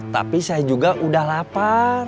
tapi saya juga udah lapar